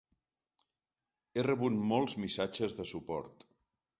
He rebut molts missatges de suport.